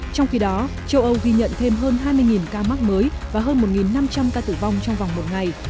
trong khi đó châu âu ghi nhận thêm hơn hai mươi ca mắc mới và hơn một năm trăm linh ca tử vong trong vòng một ngày